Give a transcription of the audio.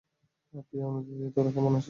প্রিয় অনুদি, তোরা কেমন আছিস?